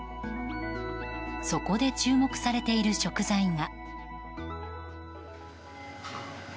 そこで注目されている食材が。